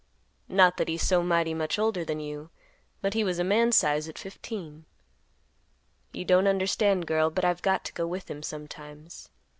Not that he's so mighty much older than you, but he was a man's size at fifteen. You don't understand, girl, but I've got to go with him sometimes.